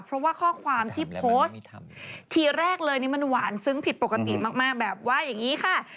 เพราะว่าข้อความที่โพสต์ทีแรกเลยนี่มันหวานซึ้งผิดปกติมากแบบว่าอย่างนี้ค่ะ